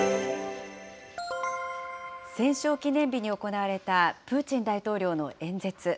戦勝記念日に行われたプーチン大統領の演説。